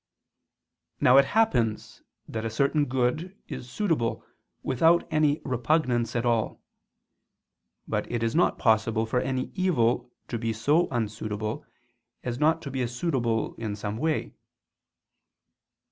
Now it happens that a certain good is suitable without any repugnance at all: but it is not possible for any evil to be so unsuitable as not to be suitable in some way.